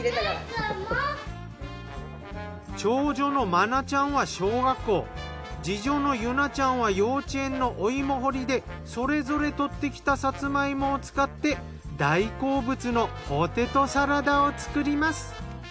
長女の真愛ちゃんは小学校次女の結愛ちゃんは幼稚園のお芋掘りでそれぞれとってきたさつま芋を使って大好物のポテトサラダを作ります。